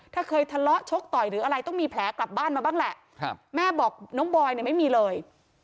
ถ้าเคยทะเลาะชกต่อยหรืออะไรต้องมีแผลกลับบ้านมาบ้างแหละแม่บอกน้องบอยเนี่ยไม่มีเลย